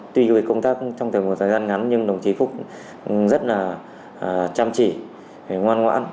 tuy vì công tác trong thời gian ngắn nhưng đồng chí phúc rất là chăm chỉ ngoan ngoãn và thường xuyên tu dưỡng gian luyện